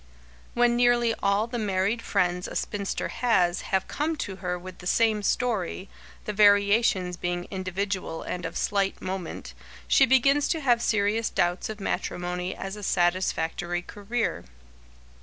When nearly all the married friends a spinster has have come to her with the same story, the variations being individual and of slight moment, she begins to have serious doubts of matrimony as a satisfactory career.